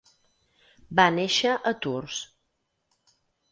Va néixer a Tours.